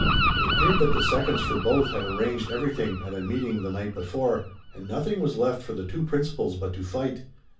It appeared that the seconds for both had arranged everything at a meeting the night before, and nothing was left for the two principals but to fight.